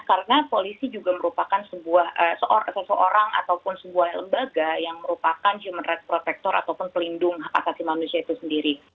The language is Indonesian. karena polisi juga merupakan seseorang ataupun sebuah lembaga yang merupakan human rights protector ataupun pelindung hak asasi manusia itu sendiri